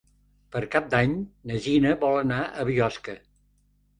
Per Cap d'Any na Gina vol anar a Biosca.